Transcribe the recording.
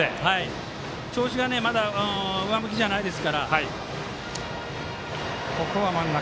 調子が、まだ上向きじゃないですから。